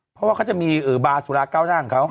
เพราะว่าเขาจะมีบาร์สุราเก้าหน้าของเขา